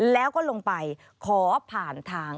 แล้วก็ลงไปขอผ่านทาง